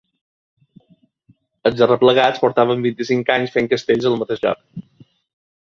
Els Arreplegats portaven vint-i-cinc anys fent castells al mateix lloc